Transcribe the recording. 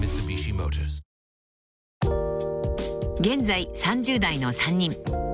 ［現在３０代の３人。